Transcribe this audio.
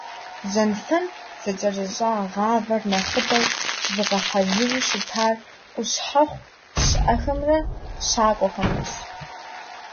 Жьэнфэн зэкӀэрыщӀа гъэвар нэхъыбэу зыгъэхьэзыру щытар къущхьэхъу щыӀэхэмрэ щакӀуэхэмрэщ.